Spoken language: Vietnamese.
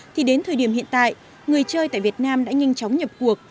thì đến thời điểm hiện tại người chơi tại việt nam đã nhanh chóng nhập cuộc